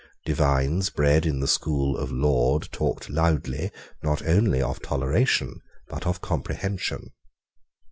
Divines bred in the school of Laud talked loudly, not only of toleration, but of comprehension.